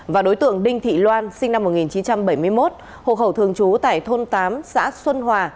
và đối tượng đinh thị loan sinh năm một nghìn chín trăm bảy mươi một hộ khẩu thường trú tại thôn tám xã xuân hòa